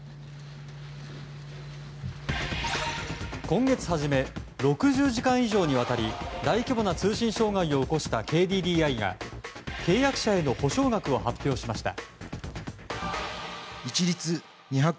今月初め６０時間以上にわたり大規模な通信障害を起こしたＫＤＤＩが契約者への補償額を発表しました。